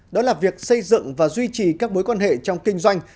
đó là việc xây dựng và duy trì các mối quan hệ trong kinh doanh